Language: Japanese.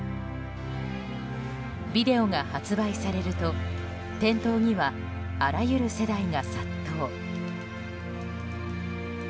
ビデオが発売されると店頭にはあらゆる世代が殺到。